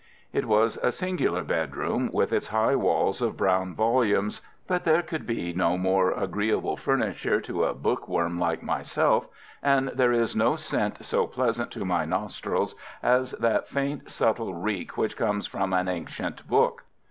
It was a singular bedroom, with its high walls of brown volumes, but there could be no more agreeable furniture to a bookworm like myself, and there is no scent so pleasant to my nostrils as that faint, subtle reek which comes from an ancient book.